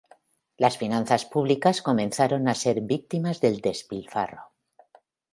Las finanzas públicas comenzaron a ser víctimas del despilfarro.